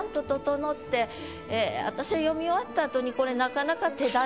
私は読み終わった後にこれなかなか。